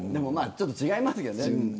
ちょっと違いますけれどね。